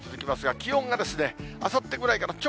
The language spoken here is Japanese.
気温があさってぐらいからちょ